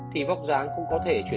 thì vóc dáng cũng có thể giảm mỡ